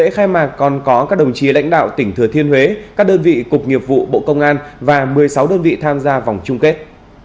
lễ khai mạc còn có các đồng chí lãnh đạo tỉnh thừa thiên huế các đơn vị cục nghiệp vụ bộ công an và một mươi sáu đơn vị tham gia vòng chung kết